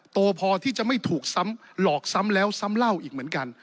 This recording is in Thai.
โตพอที่จะไม่ถูกซ้ำหลอกซ้ำแล้วซ้ำเล่าอีกเหมือนกัน